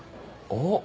おっ！